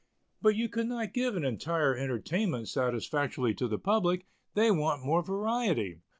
"But you could not give an entire entertainment satisfactorily to the public; they want more variety."